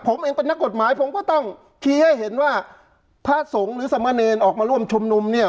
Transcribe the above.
ผมเองเป็นนักกฎหมายผมก็ต้องชี้ให้เห็นว่าพระสงฆ์หรือสมเนรออกมาร่วมชุมนุมเนี่ย